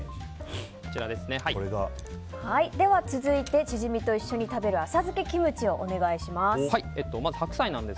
では続いてチヂミと一緒に食べる浅漬けキムチをお願いします。